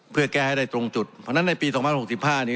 เพื่อแก้ให้ได้ตรงจุดเพราะฉะนั้นในปีหนึ่งหกสิบห้านี้